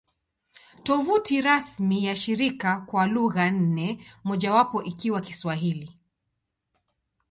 Tovuti rasmi ya shirika kwa lugha nne, mojawapo ikiwa Kiswahili